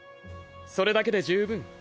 それだけで充分！